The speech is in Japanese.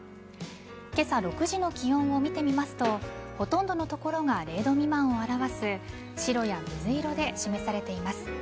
今朝６時の気温を見てみますとほとんどの所が０度未満を表す白や水色で示されています。